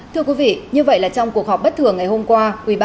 thưa quý vị như vậy là trong cuộc họp bất thường ngày hôm qua